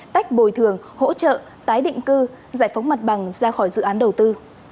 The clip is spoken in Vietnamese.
tách bồi thường hỗ trợ tái định cư giải phóng mặt bằng ra khỏi dự án đầu tư